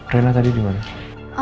rina tadi dimana